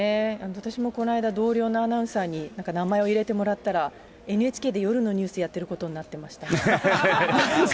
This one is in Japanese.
私もこの間、同僚のアナウンサーになんか名前を入れてもらったら、ＮＨＫで夜のニュースやってることになってました。